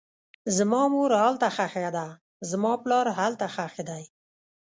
زما مور هلته ښخه ده, زما پلار هلته ښخ دی